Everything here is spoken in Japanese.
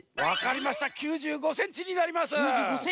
わかりました９５センチになります。